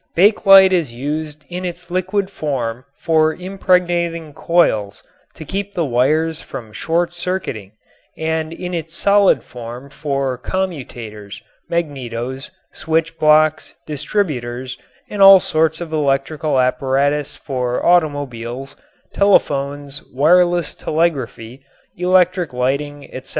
Bakelite is used in its liquid form for impregnating coils to keep the wires from shortcircuiting and in its solid form for commutators, magnetos, switch blocks, distributors, and all sorts of electrical apparatus for automobiles, telephones, wireless telegraphy, electric lighting, etc.